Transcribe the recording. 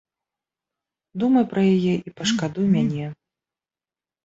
Думай пра яе і пашкадуй мяне.